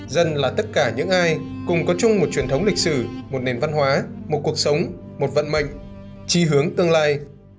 dân là tất cả những ai cùng có chung một truyền thống lịch sử một nền văn hóa một cuộc sống một vận mệnh chi hướng tương lai